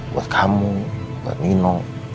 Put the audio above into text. buat kamu buat nino